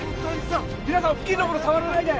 皆さん付近のもの触らないで！